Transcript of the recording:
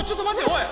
おい！